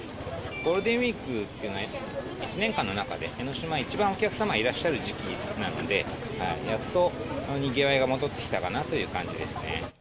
ゴールデンウィークって、１年間の中で、江の島一番お客様がいらっしゃる時期なので、やっとにぎわいが戻ってきたかなという感じですね。